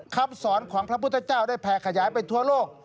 คำสอนของพระพุทธเจ้าได้แผ่ขยายไปทั่วโลก